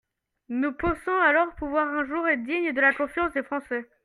Nous pensons alors pouvoir un jour être dignes de la confiance des Français.